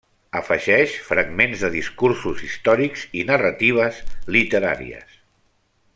Afegeix fragments de discursos històrics i narratives literàries.